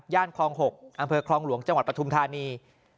ย่านครอง๖อำเภอะครองหลวงจังหวัดปทที